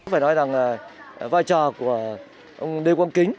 phải nói rằng vai trò của ông lê quang kính